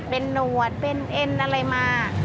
เป็นหนวดเป็นเอ็นอะไรมา